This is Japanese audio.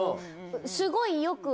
すごいよく。